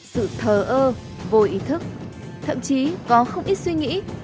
sự thờ ơ vô ý thức thậm chí có không ít suy nghĩ